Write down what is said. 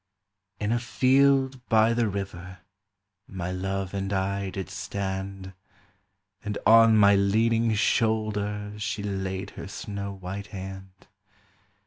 In a field by the river my love and I did stand, And on my leaning shoulder she laid her snow white hand.